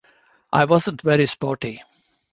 I wasn't very sporty.